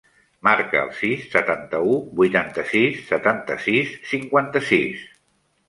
Marca el sis, setanta-u, vuitanta-sis, setanta-sis, cinquanta-sis.